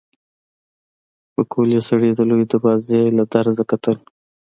پکولي سړي د لويې دروازې له درزه کتل.